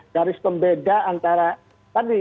garis pembeda antara tadi